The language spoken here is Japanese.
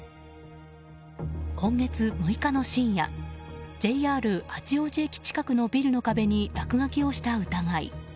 今月６日の深夜ＪＲ八王子駅近くのビルの壁に落書きをした疑い。